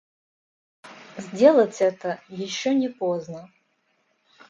Сделать это еще не поздно.